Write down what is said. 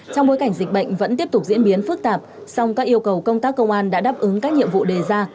trong bối cảnh dịch bệnh vẫn tiếp tục diễn biến phức tạp song các yêu cầu công tác công an đã đáp ứng các nhiệm vụ đề ra